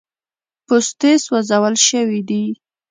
پوستې سوځول سوي دي.